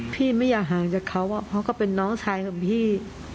ไม่อยากห่างจากเขาเพราะก็เป็นน้องชายของพี่